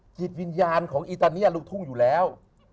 จิตวิญญาณของอีตอนนี้ลูกทุ่งอยู่แล้ว